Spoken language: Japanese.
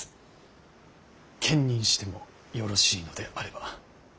兼任してもよろしいのであれば。